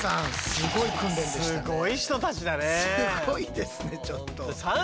すごいですねちょっと。